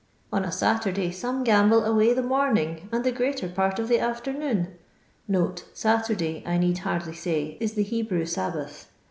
On a Satur day, some gamble away the morning and the greater part of the afternoon." [Saturday, I need hardly lay, is the Hebrew Sabbath.